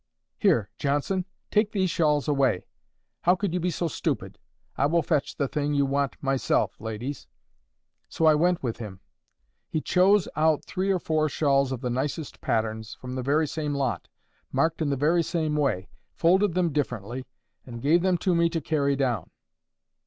Here, Johnson, take these shawls away. How could you be so stupid? I will fetch the thing you want myself, ladies." So I went with him. He chose out three or four shawls, of the nicest patterns, from the very same lot, marked in the very same way, folded them differently, and gave them to me to carry down.